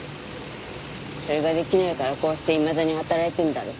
それができないからこうしていまだに働いてるんだろ。